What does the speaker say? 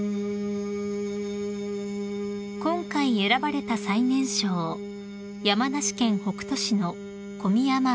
［今回選ばれた最年少山梨県北杜市の小宮山碧生さん